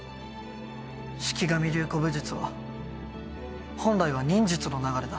四鬼神流古武術は本来は忍術の流れだ。